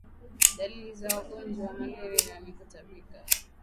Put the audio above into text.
dalili za mgonjwa wa malaria ni kutapika